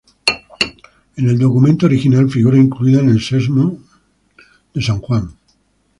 En el documento original figura incluida en el Sexmo de San Juan.